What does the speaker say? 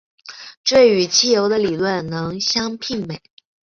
这与汽油的理论比能相媲美。